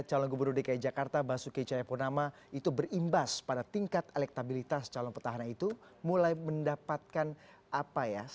sembilan belas tahun ditambah sama dua puluh sampai dua puluh sembilan tahun ya